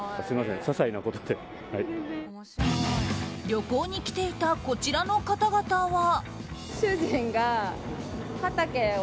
旅行に来ていたこちらの方々は。